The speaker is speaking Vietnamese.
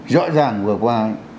rõ ràng vừa qua